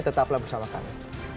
tetaplah bersama kami